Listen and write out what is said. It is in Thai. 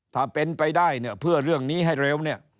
ถ้าเป็นไปได้เพื่อเรื่องนี้ให้เร็ว